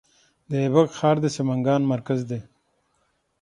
د ایبک ښار د سمنګان مرکز دی